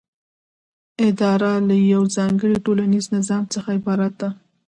اداره له یوه ځانګړي ټولنیز نظام څخه عبارت ده.